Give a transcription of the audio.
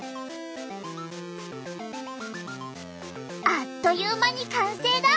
あっという間に完成だ！